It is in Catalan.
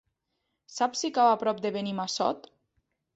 Saps si cau a prop de Benimassot?